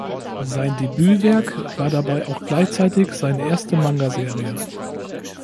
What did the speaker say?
Sein Debütwerk war dabei auch gleichzeitig seine erste Manga-Serie.